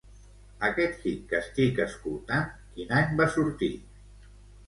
Aquest hit que estic escoltant quin any va sortir?